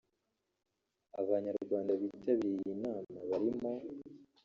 Abanyarwanda bitabiriye iyi nama barimo